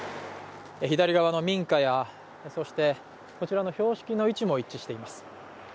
左側の民家や、そしてこちらの標識の位置も一致しています。